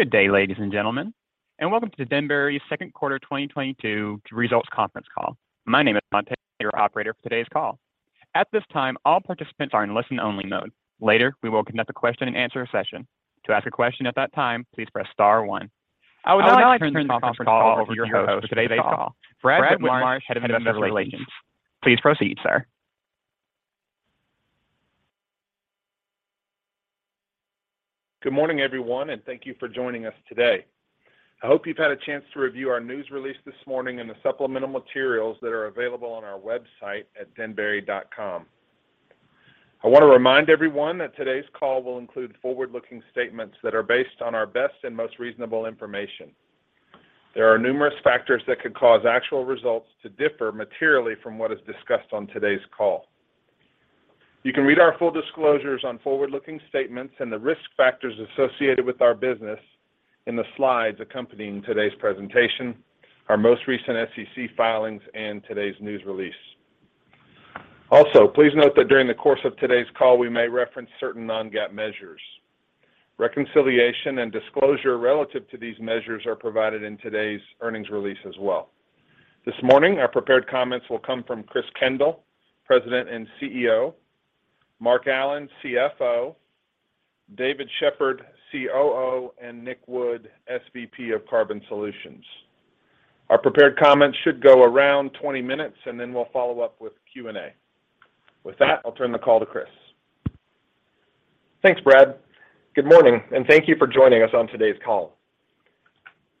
Good day, ladies and gentlemen, and welcome to Denbury's second quarter 2022 results conference call. My name is Monte, your operator for today's call. At this time, all participants are in listen only mode. Later, we will conduct a question-and-answer session. To ask a question at that time, please press star one. I would now like to turn this conference call over to your host for today's call, Brad Whitmarsh, Head of Investor Relations. Please proceed, sir. Good morning, everyone, and thank you for joining us today. I hope you've had a chance to review our news release this morning and the supplemental materials that are available on our website at denbury.com. I wanna remind everyone that today's call will include forward-looking statements that are based on our best and most reasonable information. There are numerous factors that could cause actual results to differ materially from what is discussed on today's call. You can read our full disclosures on forward-looking statements and the risk factors associated with our business in the slides accompanying today's presentation, our most recent SEC filings, and today's news release. Also, please note that during the course of today's call, we may reference certain non-GAAP measures. Reconciliation and disclosure relative to these measures are provided in today's earnings release as well. This morning, our prepared comments will come from Chris Kendall, President and CEO, Mark Allen, CFO, David Sheppard, COO, and Nik Wood, SVP of Carbon Solutions. Our prepared comments should go around 20 minutes, and then we'll follow up with Q&A. With that, I'll turn the call to Chris. Thanks, Brad. Good morning, and thank you for joining us on today's call.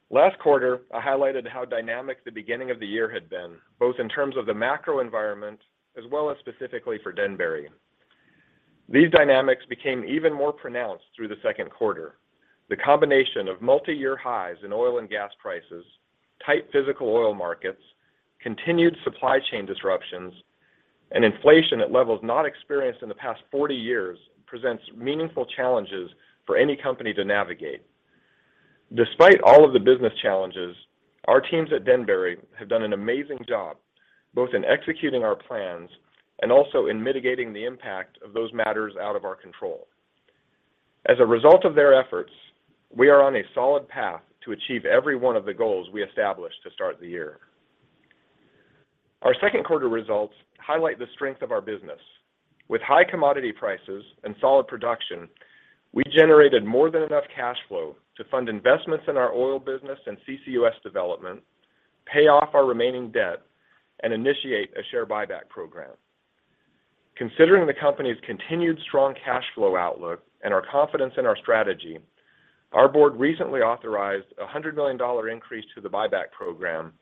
Last quarter, I highlighted how dynamic the beginning of the year had been, both in terms of the macro environment as well as specifically for Denbury. These dynamics became even more pronounced through the second quarter. The combination of multi-year highs in oil and gas prices, tight physical oil markets, continued supply chain disruptions, and inflation at levels not experienced in the past 40 years presents meaningful challenges for any company to navigate. Despite all of the business challenges, our teams at Denbury have done an amazing job, both in executing our plans and also in mitigating the impact of those matters out of our control. As a result of their efforts, we are on a solid path to achieve every one of the goals we established to start the year. Our second quarter results highlight the strength of our business. With high commodity prices and solid production, we generated more than enough cash flow to fund investments in our oil business and CCUS development, pay off our remaining debt, and initiate a share buyback program. Considering the company's continued strong cash flow outlook and our confidence in our strategy, our board recently authorized a $100 million increase to the buyback program,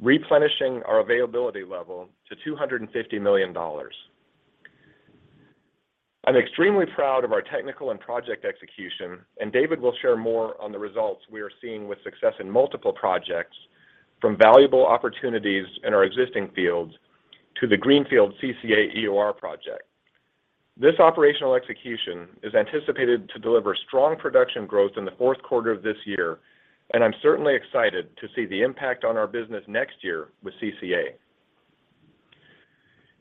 replenishing our availability level to $250 million. I'm extremely proud of our technical and project execution, and David Sheppard will share more on the results we are seeing with success in multiple projects from valuable opportunities in our existing fields to the Greenfield CCUS-EOR project. This operational execution is anticipated to deliver strong production growth in the fourth quarter of this year, and I'm certainly excited to see the impact on our business next year with CCA.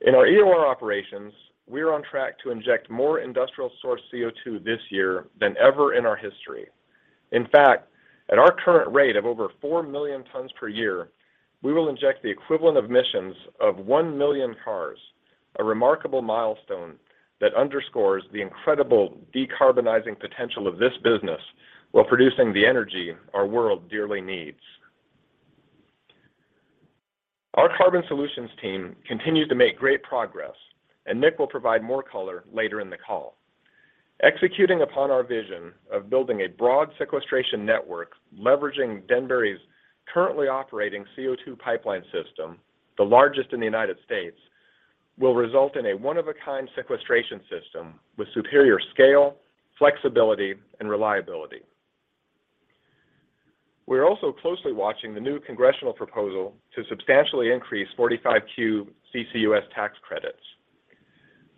In our EOR operations, we are on track to inject more industrial source CO2 this year than ever in our history. In fact, at our current rate of over 4 million tons per year, we will inject the equivalent of emissions of 1 million cars, a remarkable milestone that underscores the incredible decarbonizing potential of this business while producing the energy our world dearly needs. Our carbon solutions team continued to make great progress, and Nik will provide more color later in the call. Executing upon our vision of building a broad sequestration network leveraging Denbury's currently operating CO2 pipeline system, the largest in the United States, will result in a one-of-a-kind sequestration system with superior scale, flexibility and reliability. We're also closely watching the new congressional proposal to substantially increase 45Q CCUS tax credits.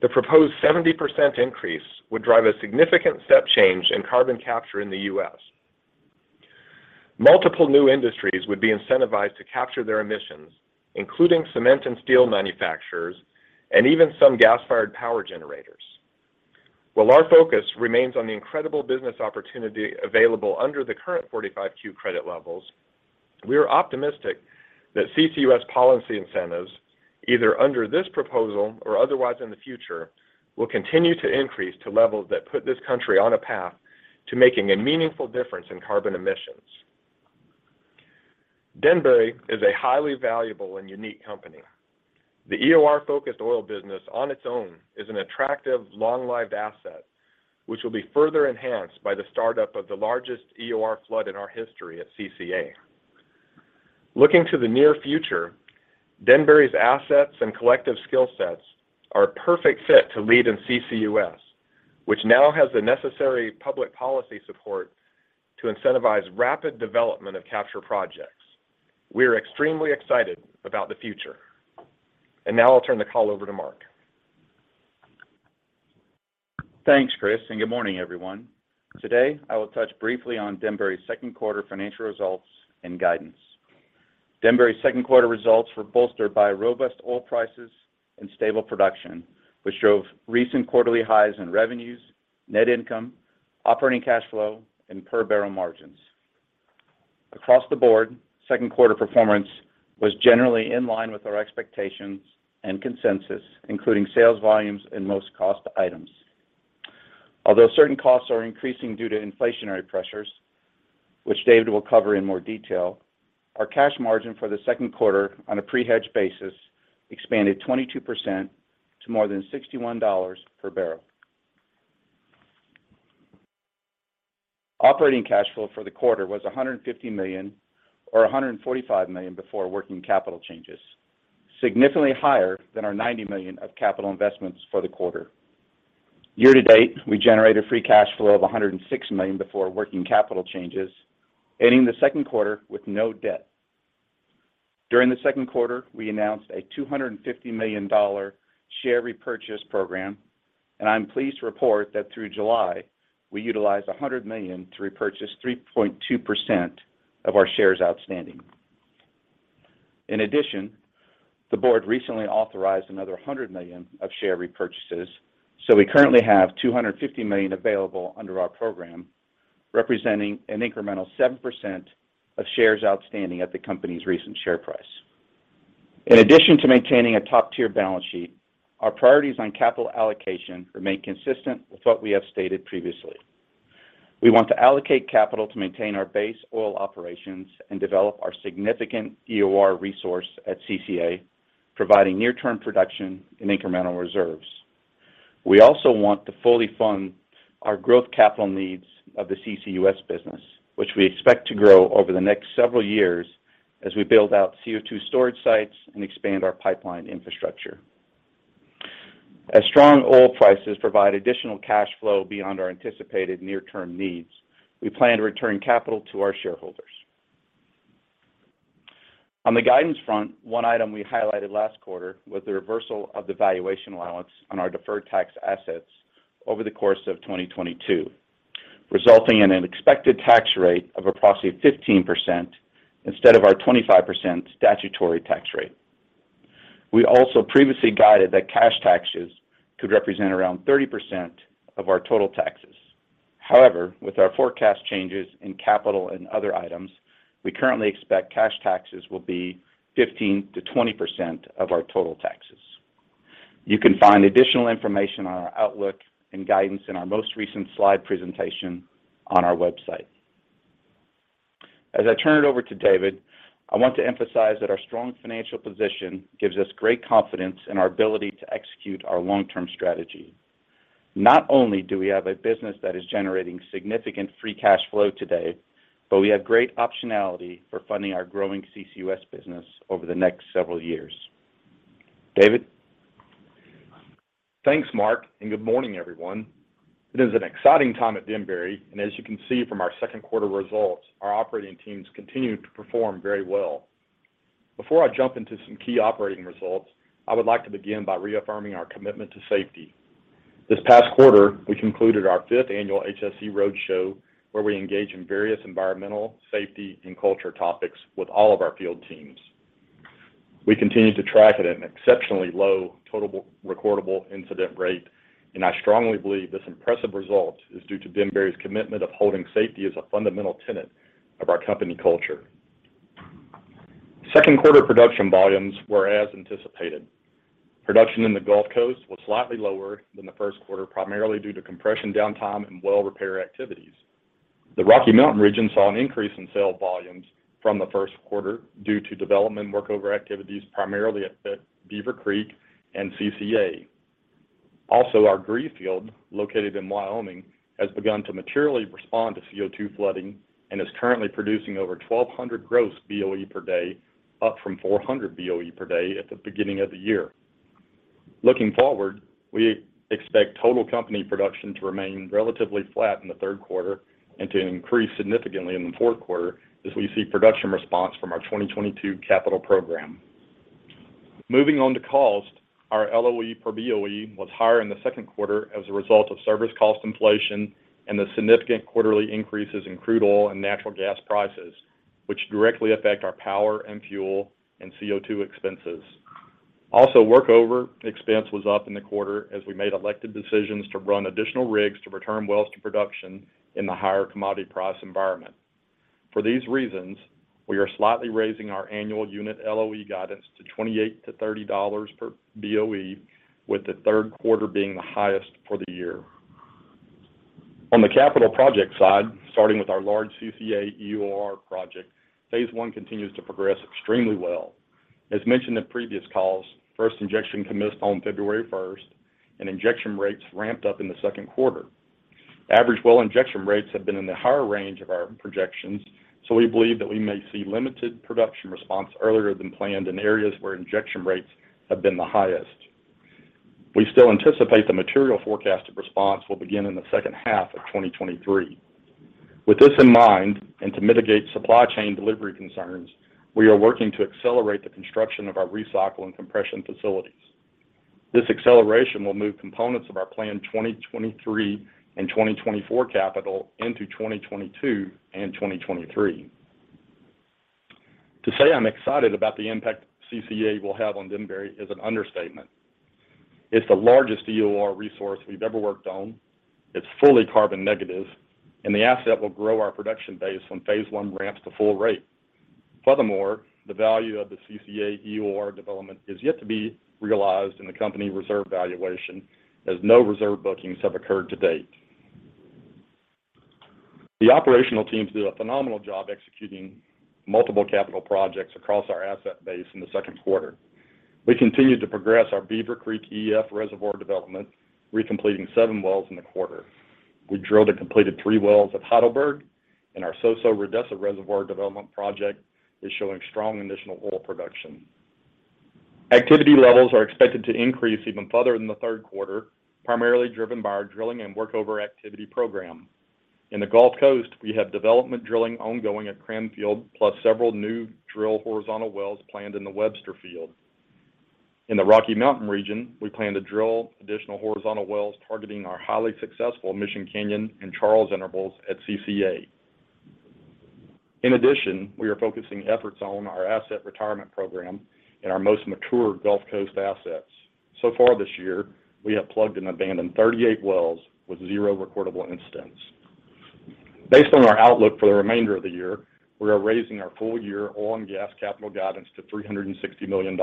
The proposed 70% increase would drive a significant step change in carbon capture in the U.S. Multiple new industries would be incentivized to capture their emissions, including cement and steel manufacturers and even some gas-fired power generators. While our focus remains on the incredible business opportunity available under the current 45Q credit levels, we are optimistic that CCUS policy incentives, either under this proposal or otherwise in the future, will continue to increase to levels that put this country on a path to making a meaningful difference in carbon emissions. Denbury is a highly valuable and unique company. The EOR-focused oil business on its own is an attractive long-lived asset which will be further enhanced by the startup of the largest EOR flood in our history at CCA. Looking to the near future, Denbury's assets and collective skill sets are a perfect fit to lead in CCUS, which now has the necessary public policy support to incentivize rapid development of capture projects. We are extremely excited about the future. Now I'll turn the call over to Mark. Thanks, Chris, and good morning, everyone. Today, I will touch briefly on Denbury's second quarter financial results and guidance. Denbury's second quarter results were bolstered by robust oil prices and stable production, which drove recent quarterly highs in revenues, net income, operating cash flow, and per barrel margins. Across the board, second quarter performance was generally in line with our expectations and consensus, including sales volumes and most cost items. Although certain costs are increasing due to inflationary pressures, which David Sheppard will cover in more detail, our cash margin for the second quarter on a pre-hedge basis expanded 22% to more than $61 per barrel. Operating cash flow for the quarter was $150 million, or $145 million before working capital changes, significantly higher than our $90 million of capital investments for the quarter. Year to date, we generated Free Cash Flow of $106 million before working capital changes, ending the second quarter with no debt. During the second quarter, we announced a $250 million share repurchase program, and I'm pleased to report that through July, we utilized $100 million to repurchase 3.2% of our shares outstanding. In addition, the board recently authorized another $100 million of share repurchases, so we currently have $250 million available under our program, representing an incremental 7% of shares outstanding at the company's recent share price. In addition to maintaining a top-tier balance sheet, our priorities on capital allocation remain consistent with what we have stated previously. We want to allocate capital to maintain our base oil operations and develop our significant EOR resource at CCA, providing near-term production in incremental reserves. We also want to fully fund our growth capital needs of the CCUS business, which we expect to grow over the next several years as we build out CO2 storage sites and expand our pipeline infrastructure. As strong oil prices provide additional cash flow beyond our anticipated near-term needs, we plan to return capital to our shareholders. On the guidance front, one item we highlighted last quarter was the reversal of the valuation allowance on our deferred tax assets over the course of 2022, resulting in an expected tax rate of approximately 15% instead of our 25% statutory tax rate. We also previously guided that cash taxes could represent around 30% of our total taxes. However, with our forecast changes in capital and other items, we currently expect cash taxes will be 15%-20% of our total taxes. You can find additional information on our outlook and guidance in our most recent slide presentation on our website. As I turn it over to David Sheppard, I want to emphasize that our strong financial position gives us great confidence in our ability to execute our long-term strategy. Not only do we have a business that is generating significant free cash flow today, but we have great optionality for funding our growing CCUS business over the next several years. David Sheppard? Thanks, Mark, and good morning, everyone. It is an exciting time at Denbury, and as you can see from our second quarter results, our operating teams continue to perform very well. Before I jump into some key operating results, I would like to begin by reaffirming our commitment to safety. This past quarter, we concluded our fifth annual HSE Roadshow, where we engage in various environmental, safety, and culture topics with all of our field teams. We continue to track at an exceptionally low total recordable incident rate, and I strongly believe this impressive result is due to Denbury's commitment of holding safety as a fundamental tenet of our company culture. Second quarter production volumes were as anticipated. Production in the Gulf Coast was slightly lower than the first quarter, primarily due to compression downtime and well repair activities. The Rocky Mountain region saw an increase in sales volumes from the first quarter due to development workover activities primarily at Beaver Creek and CCA. Also, our Greenfield, located in Wyoming, has begun to materially respond to CO2 flooding and is currently producing over 1,200 gross BOE per day, up from 400 BOE per day at the beginning of the year. Looking forward, we expect total company production to remain relatively flat in the third quarter and to increase significantly in the fourth quarter as we see production response from our 2022 capital program. Moving on to cost, our LOE per BOE was higher in the second quarter as a result of service cost inflation and the significant quarterly increases in crude oil and natural gas prices, which directly affect our power and fuel and CO2 expenses. Also, workover expense was up in the quarter as we made elected decisions to run additional rigs to return wells to production in the higher commodity price environment. For these reasons, we are slightly raising our annual unit LOE guidance to $28-$30 per BOE, with the third quarter being the highest for the year. On the capital project side, starting with our large CCA-EOR project, phase one continues to progress extremely well. As mentioned in previous calls, first injection commenced on February 1st, and injection rates ramped up in the second quarter. Average well injection rates have been in the higher range of our projections, so we believe that we may see limited production response earlier than planned in areas where injection rates have been the highest. We still anticipate the material forecasted response will begin in the second half of 2023. With this in mind, and to mitigate supply chain delivery concerns, we are working to accelerate the construction of our recycle and compression facilities. This acceleration will move components of our planned 2023 and 2024 capital into 2022 and 2023. To say I'm excited about the impact CCA will have on Denbury is an understatement. It's the largest EOR resource we've ever worked on. It's fully carbon negative, and the asset will grow our production base when phase one ramps to full rate. Furthermore, the value of the CCA EOR development is yet to be realized in the company reserve valuation as no reserve bookings have occurred to date. The operational teams did a phenomenal job executing multiple capital projects across our asset base in the second quarter. We continued to progress our Beaver Creek EF reservoir development, recompleting seven wells in the quarter. We drilled and completed three wells at Heidelberg, and our Soso Rodessa Reservoir development project is showing strong additional oil production. Activity levels are expected to increase even further in the third quarter, primarily driven by our drilling and workover activity program. In the Gulf Coast, we have development drilling ongoing at Cranfield, plus several new drill horizontal wells planned in the Webster field. In the Rocky Mountain region, we plan to drill additional horizontal wells targeting our highly successful Mission Canyon and Charles intervals at CCA. In addition, we are focusing efforts on our asset retirement program in our most mature Gulf Coast assets. So far this year, we have plugged and abandoned 38 wells with zero recordable incidents. Based on our outlook for the remainder of the year, we are raising our full-year oil and gas capital guidance to $360 million.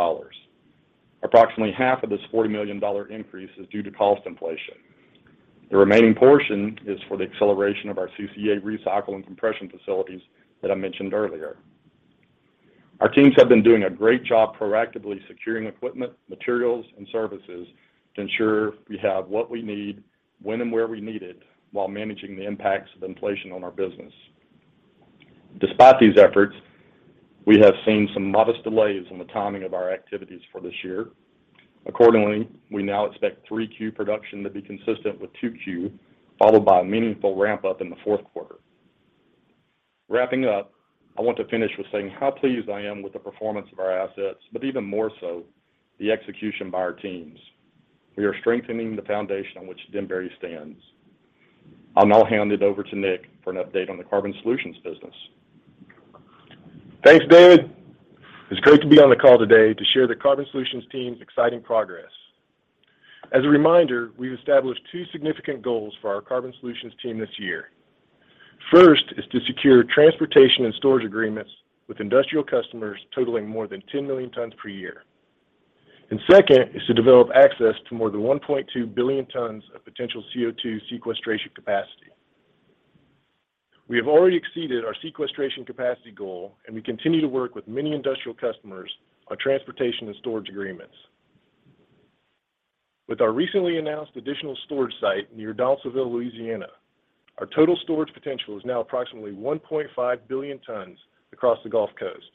Approximately half of this $40 million increase is due to cost inflation. The remaining portion is for the acceleration of our CCA recycle and compression facilities that I mentioned earlier. Our teams have been doing a great job proactively securing equipment, materials, and services to ensure we have what we need when and where we need it while managing the impacts of inflation on our business. Despite these efforts, we have seen some modest delays in the timing of our activities for this year. Accordingly, we now expect 3Q production to be consistent with 2Q, followed by a meaningful ramp up in the fourth quarter. Wrapping up, I want to finish with saying how pleased I am with the performance of our assets, but even more so, the execution by our teams. We are strengthening the foundation on which Denbury stands. I'll now hand it over to Nik Wood for an update on the Carbon Solutions business. Thanks, David Sheppard. It's great to be on the call today to share the carbon solutions team's exciting progress. As a reminder, we've established two significant goals for our carbon solutions team this year. First is to secure transportation and storage agreements with industrial customers totaling more than 10 million tons per year. Second is to develop access to more than 1.2 billion tons of potential CO2 sequestration capacity. We have already exceeded our sequestration capacity goal, and we continue to work with many industrial customers on transportation and storage agreements. With our recently announced additional storage site near Donaldsonville, Louisiana, our total storage potential is now approximately 1.5 billion tons across the Gulf Coast,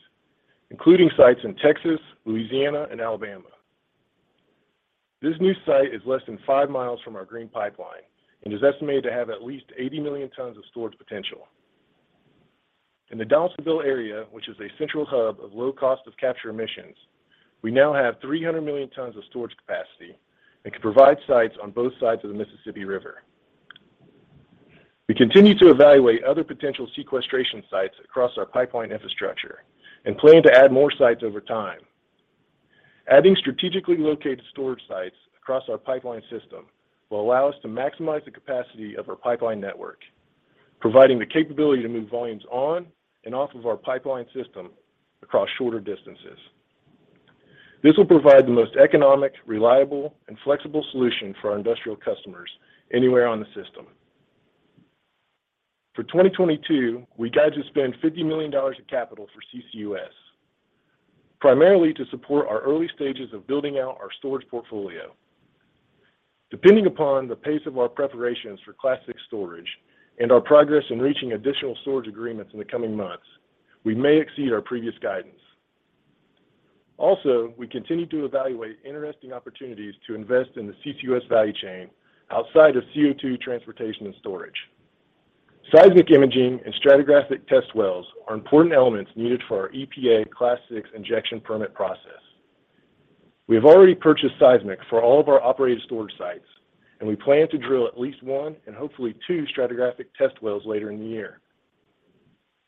including sites in Texas, Louisiana, and Alabama. This new site is less than 5 mi from our Green Pipeline and is estimated to have at least 80 million tons of storage potential. In the Donaldsonville area, which is a central hub of low cost of capture emissions, we now have 300 million tons of storage capacity and can provide sites on both sides of the Mississippi River. We continue to evaluate other potential sequestration sites across our pipeline infrastructure and plan to add more sites over time. Adding strategically located storage sites across our pipeline system will allow us to maximize the capacity of our pipeline network, providing the capability to move volumes on and off of our pipeline system across shorter distances. This will provide the most economic, reliable, and flexible solution for our industrial customers anywhere on the system. For 2022, we guide to spend $50 million of capital for CCUS, primarily to support our early stages of building out our storage portfolio. Depending upon the pace of our preparations for Class VI storage and our progress in reaching additional storage agreements in the coming months, we may exceed our previous guidance. Also, we continue to evaluate interesting opportunities to invest in the CCUS value chain outside of CO2 transportation and storage. Seismic imaging and stratigraphic test wells are important elements needed for our EPA Class VI injection permit process. We have already purchased seismic for all of our operated storage sites, and we plan to drill at least one and hopefully two stratigraphic test wells later in the year.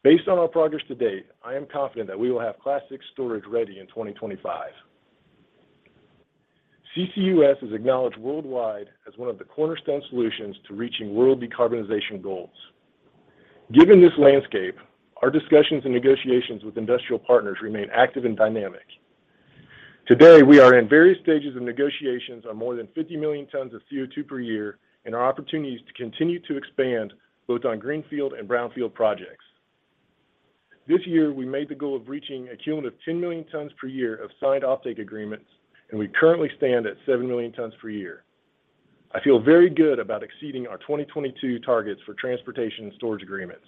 Based on our progress to date, I am confident that we will have Class VI storage ready in 2025. CCUS is acknowledged worldwide as one of the cornerstone solutions to reaching world decarbonization goals. Given this landscape, our discussions and negotiations with industrial partners remain active and dynamic. Today, we are in various stages of negotiations on more than 50 million tons of CO2 per year, and our opportunities to continue to expand both on greenfield and brownfield projects. This year, we made the goal of reaching a cumulative 10 million tons per year of signed offtake agreements, and we currently stand at 7 million tons per year. I feel very good about exceeding our 2022 targets for transportation and storage agreements.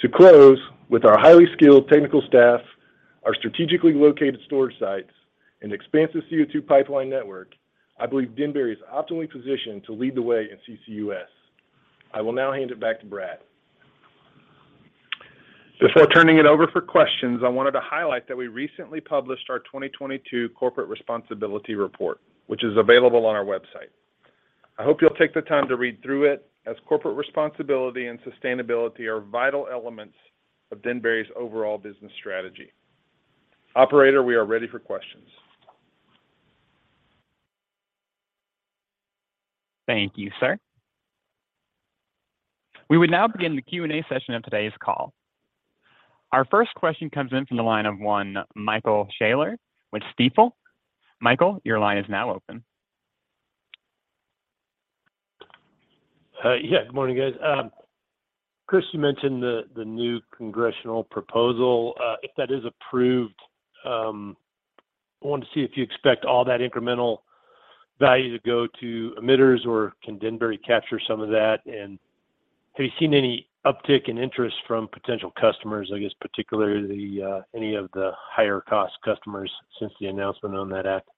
To close, with our highly skilled technical staff, our strategically located storage sites, and expansive CO2 pipeline network, I believe Denbury is optimally positioned to lead the way in CCUS. I will now hand it back to Brad. Before turning it over for questions, I wanted to highlight that we recently published our 2022 corporate responsibility report, which is available on our website. I hope you'll take the time to read through it, as corporate responsibility and sustainability are vital elements of Denbury's overall business strategy. Operator, we are ready for questions. Thank you, sir. We would now begin the Q&A session of today's call. Our first question comes in from the line of one Michael Scialla with Stifel. Michael, your line is now open. Yeah, good morning, guys. Chris, you mentioned the new congressional proposal. If that is approved, I wanted to see if you expect all that incremental value to go to emitters, or can Denbury capture some of that? Have you seen any uptick in interest from potential customers, I guess, particularly any of the higher cost customers since the announcement on that act?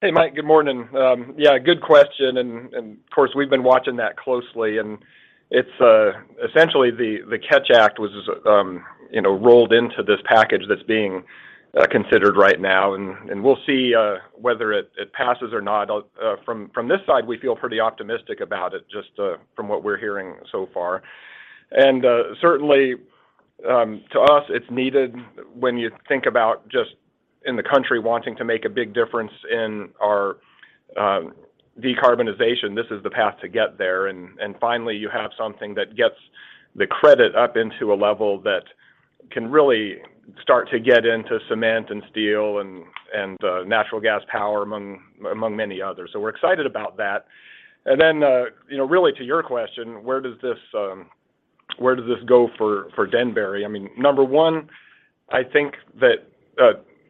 Hey, Mike. Good morning. Yeah, good question and of course, we've been watching that closely and it's essentially the CATCH Act was, you know, rolled into this package that's being considered right now, and we'll see whether it passes or not. From this side, we feel pretty optimistic about it just from what we're hearing so far. Certainly to us, it's needed when you think about just in the country wanting to make a big difference in our decarbonization. This is the path to get there. Finally, you have something that gets the credit up into a level that can really start to get into cement and steel and natural gas power among many others. We're excited about that. You know, really to your question, where does this go for Denbury? I mean, number one, I think that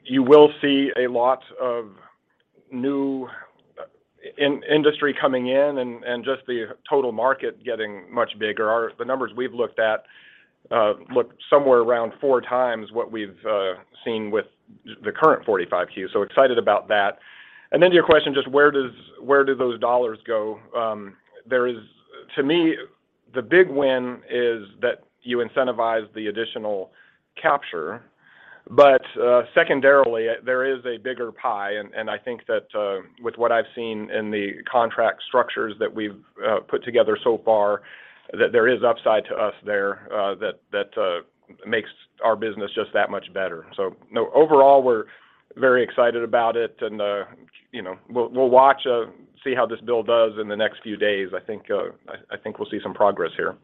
you will see a lot of new industry coming in and just the total market getting much bigger. The numbers we've looked at look somewhere around 4x what we've seen with the current 45Q. Excited about that. To your question, just where do those dollars go? There is. To me, the big win is that you incentivize the additional capture. But secondarily, there is a bigger pie and I think that with what I've seen in the contract structures that we've put together so far, that there is upside to us there that makes our business just that much better. No overall, we're very excited about it. You know, we'll watch, see how this bill does in the next few days. I think we'll see some progress here.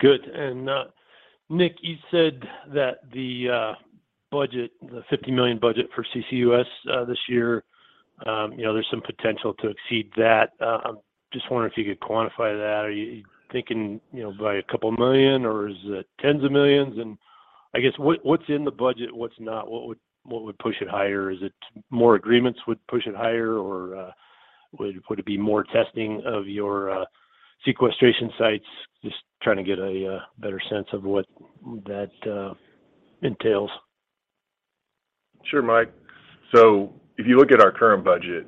Good. Nik, you said that the budget, the $50 million budget for CCUS this year, you know, there's some potential to exceed that. Just wondering if you could quantify that. Are you thinking, you know, by a couple million or is it tens of millions? I guess what's in the budget? What's not? What would push it higher? Is it more agreements would push it higher or would it be more testing of your sequestration sites? Just trying to get a better sense of what that entails. Sure, Mike. If you look at our current budget,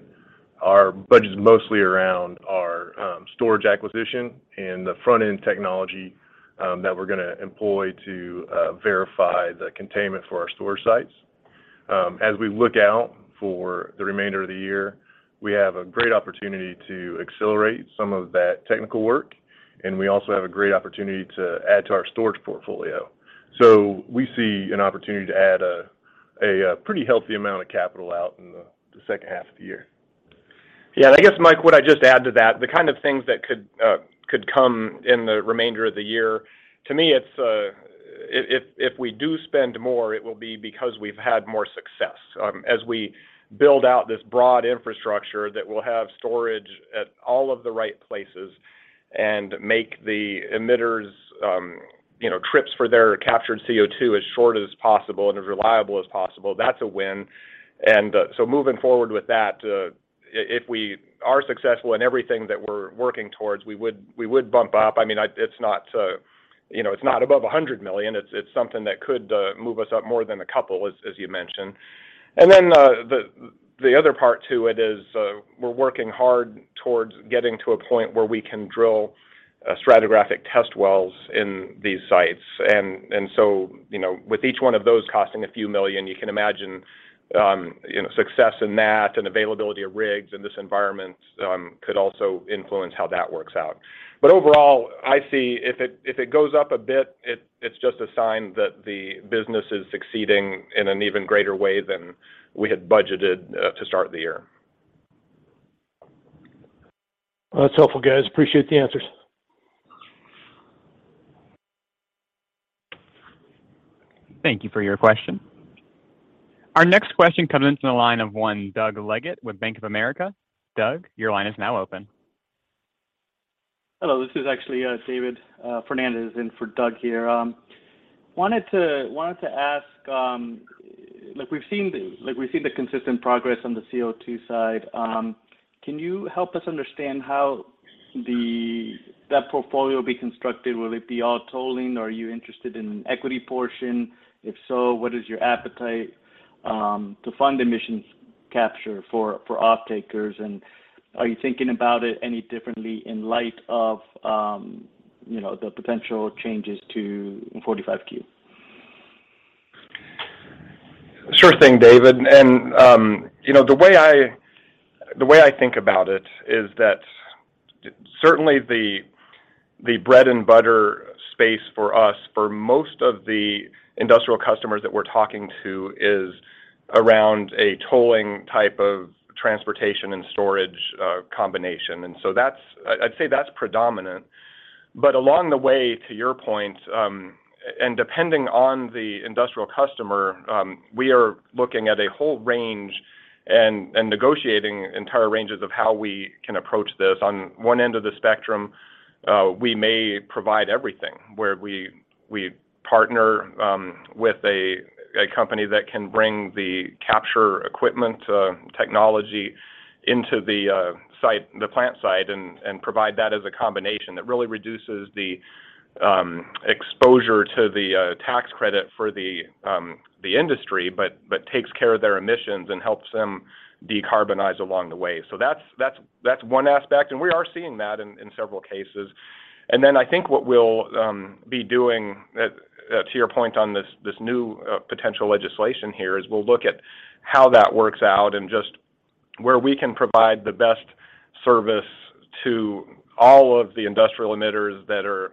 our budget's mostly around our storage acquisition and the front-end technology that we're gonna employ to verify the containment for our storage sites. As we look out for the remainder of the year, we have a great opportunity to accelerate some of that technical work, and we also have a great opportunity to add to our storage portfolio. We see an opportunity to add a pretty healthy amount of capital out in the second half of the year. Yeah. I guess, Mike, what I just add to that, the kind of things that could come in the remainder of the year, to me it's if we do spend more, it will be because we've had more success. As we build out this broad infrastructure that will have storage at all of the right places and make the emitters' trips for their captured CO2 as short as possible and as reliable as possible, that's a win. Moving forward with that, if we are successful in everything that we're working towards, we would bump up. I mean, it's not above $100 million. It's something that could move us up more than a couple as you mentioned. The other part to it is, we're working hard towards getting to a point where we can drill stratigraphic test wells in these sites. You know, with each one of those costing a few million, you can imagine, success in that and availability of rigs in this environment could also influence how that works out. Overall, I see if it goes up a bit, it's just a sign that the business is succeeding in an even greater way than we had budgeted to start the year. That's helpful, guys. Appreciate the answers. Thank you for your question. Our next question comes in from the line of one Doug Leggate with Bank of America. Doug, your line is now open. Hello, this is actually David Fernandez in for Doug here. Wanted to ask, like we've seen the consistent progress on the CO2 side. Can you help us understand how that portfolio will be constructed? Will it be all tolling or are you interested in an equity portion? If so, what is your appetite to fund emissions capture for off-takers. Are you thinking about it any differently in light of, you know, the potential changes to 45Q? Sure thing, David Fernandez. You know, the way I think about it is that certainly the bread and butter space for us, for most of the industrial customers that we're talking to is around a tolling type of transportation and storage combination. I'd say that's predominant. Along the way, to your point, depending on the industrial customer, we are looking at a whole range and negotiating entire ranges of how we can approach this. On one end of the spectrum, we may provide everything, where we partner with a company that can bring the capture equipment technology into the site, the plant site, and provide that as a combination. That really reduces the exposure to the tax credit for the industry, but takes care of their emissions and helps them decarbonize along the way. That's one aspect, and we are seeing that in several cases. I think what we'll be doing to your point on this new potential legislation here is we'll look at how that works out and just where we can provide the best service to all of the industrial emitters that are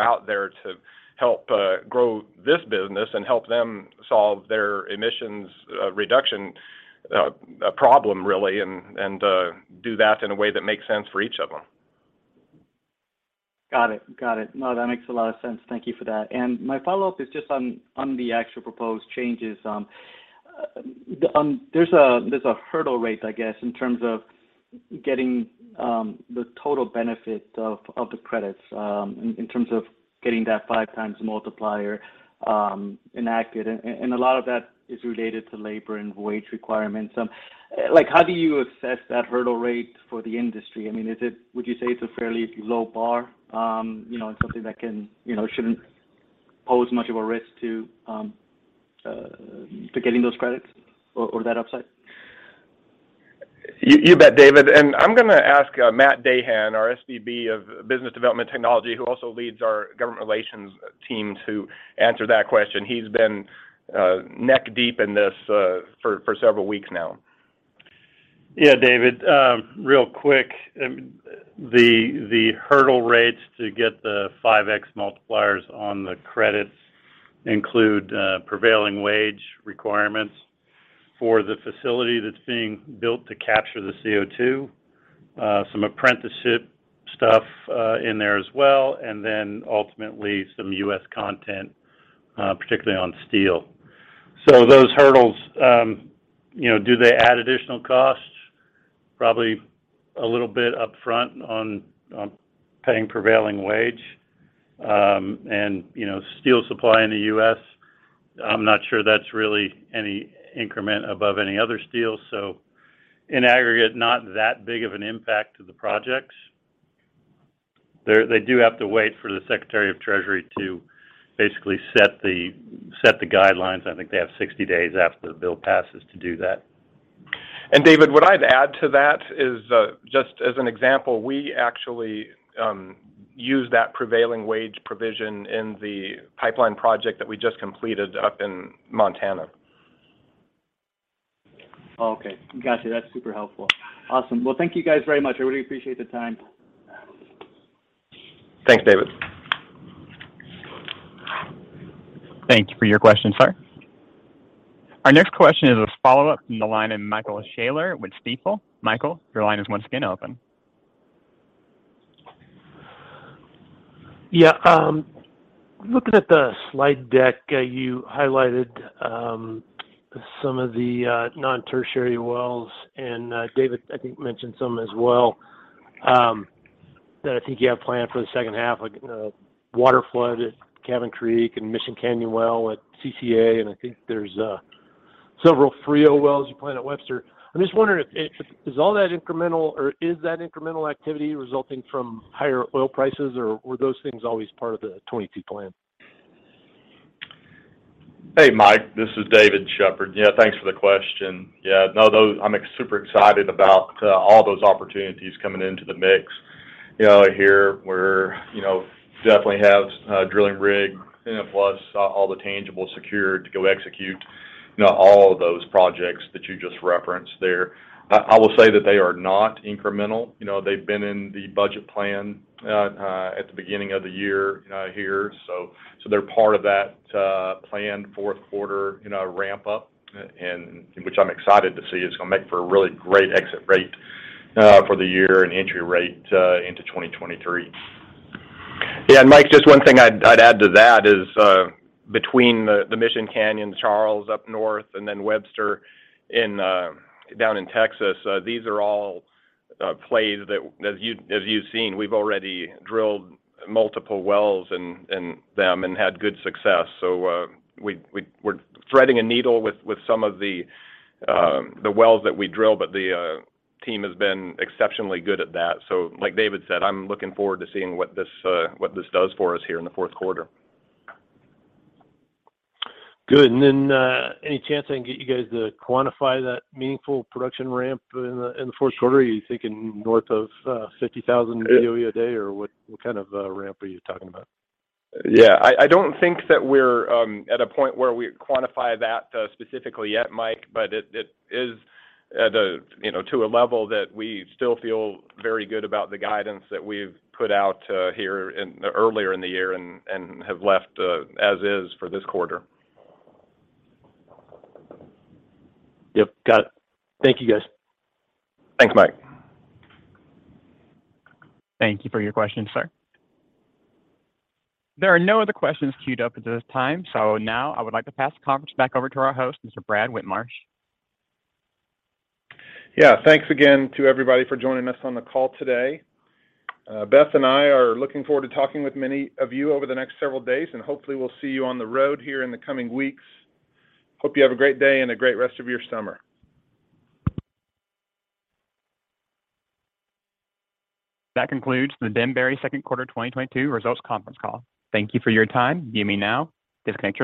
out there to help grow this business and help them solve their emissions reduction problem really, and do that in a way that makes sense for each of them. No, that makes a lot of sense. Thank you for that. My follow-up is just on the actual proposed changes. There's a hurdle rate, I guess, in terms of getting the total benefit of the credits in terms of getting that 5x multiplier enacted. A lot of that is related to labor and wage requirements. Like, how do you assess that hurdle rate for the industry? I mean, would you say it's a fairly low bar, you know, and something that can, you know, shouldn't pose much of a risk to getting those credits or that upside? You bet, David Fernandez. I'm gonna ask Matt Dahan, our SVP of Business Development and Technology, who also leads our government relations team, to answer that question. He's been neck deep in this for several weeks now. Yeah, David Fernandez. Real quick, the hurdle rates to get the 5x multipliers on the credits include prevailing wage requirements for the facility that's being built to capture the CO2, some apprenticeship stuff in there as well, and then ultimately some U.S. content, particularly on steel. So those hurdles, you know, do they add additional costs? Probably a little bit upfront on paying prevailing wage. You know, steel supply in the U.S., I'm not sure that's really any increment above any other steel, so in aggregate, not that big of an impact to the projects. They do have to wait for the Secretary of the Treasury to basically set the guidelines. I think they have 60 days after the bill passes to do that. David Fernandez, what I'd add to that is, just as an example, we actually use that prevailing wage provision in the pipeline project that we just completed up in Montana. Oh, okay. Gotcha. That's super helpful. Awesome. Well, thank you guys very much. I really appreciate the time. Thanks, David Fernandez. Thank you for your question, sir. Our next question is a follow-up from the line of Michael Scialla with Stifel. Michael, your line is once again open. Yeah. Looking at the slide deck, you highlighted some of the non-tertiary wells, and David Sheppard, I think, mentioned some as well, that I think you have planned for the second half, like Waterflood at Cabin Creek and Mission Canyon well at CCA, and I think there's several 3D wells you plan at Webster. I'm just wondering if. Is all that incremental or is that incremental activity resulting from higher oil prices, or were those things always part of the 2022 plan? Hey, Mike. This is David Sheppard. Yeah, thanks for the question. Yeah, I'm super excited about all those opportunities coming into the mix. You know, here we definitely have a drilling rig, and plus all the tangibles secured to go execute, all of those projects that you just referenced there. I will say that they are not incremental. You know, they've been in the budget plan at the beginning of the year, you know, here. So they're part of that planned fourth quarter you know ramp-up and which I'm excited to see. It's gonna make for a really great exit rate for the year and entry rate into 2023. Mike, just one thing I'd add to that is, between the Mission Canyon, Charles up north, and then Webster down in Texas, these are all plays that as you've seen, we've already drilled multiple wells in them and had good success. We're threading a needle with some of the wells that we drill, but the team has been exceptionally good at that. Like David Sheppard said, I'm looking forward to seeing what this does for us here in the fourth quarter. Good. Any chance I can get you guys to quantify that meaningful production ramp in the fourth quarter? Are you thinking north of 50,000 BOE a day, or what kind of a ramp are you talking about? Yeah. I don't think that we're at a point where we quantify that specifically yet, Mike, but it is at a you know to a level that we still feel very good about the guidance that we've put out here and earlier in the year and have left as is for this quarter. Yep. Got it. Thank you, guys. Thanks, Mike. Thank you for your question, sir. There are no other questions queued up at this time. Now I would like to pass the conference back over to our host, Mr. Brad Whitmarsh. Yeah. Thanks again to everybody for joining us on the call today. Beth and I are looking forward to talking with many of you over the next several days, and hopefully we'll see you on the road here in the coming weeks. Hope you have a great day and a great rest of your summer. That concludes the Denbury Second Quarter 2022 Results Conference Call. Thank you for your time. You may now disconnect your lines.